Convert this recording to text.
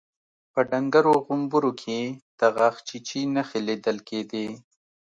په ډنګرو غومبرو کې يې د غاښچيچي نښې ليدل کېدې.